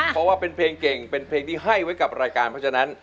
เพราะว่าเป็นเพลงเก่งเป็นเพลงที่ให้ไว้กับรายการเพราะฉะนั้น